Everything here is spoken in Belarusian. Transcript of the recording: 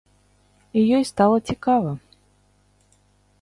І ёй стала цікава.